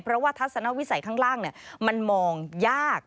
เพราะว่าทัศนวิสัยข้างล่างมันมองยาก